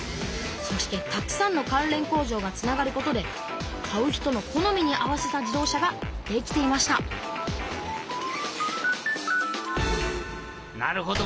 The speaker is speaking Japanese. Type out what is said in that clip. そしてたくさんの関連工場がつながることで買う人の好みに合わせた自動車ができていましたなるほど。